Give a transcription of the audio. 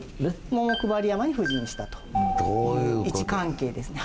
桃配山に布陣したという位置関係ですね。